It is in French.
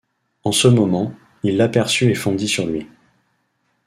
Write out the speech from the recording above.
En ce moment, il l’aperçut et fondit sur lui.